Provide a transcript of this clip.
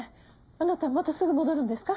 あなたまたすぐ戻るんですか？